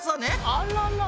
あららら。